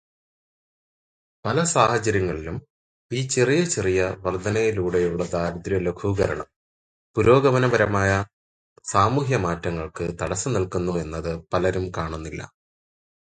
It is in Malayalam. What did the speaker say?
പല സാഹചര്യങ്ങളിലും ഈ ചെറിയ ചെറിയ വർധനകളിലൂടെയുള്ള ദാരിദ്ര്യലഘൂകരണം പുരോഗമനപരമായ സാമൂഹ്യമാറ്റങ്ങൾക്ക് തടസ്സം നിൽക്കുന്നു എന്നത് പലരും കാണുന്നില്ല.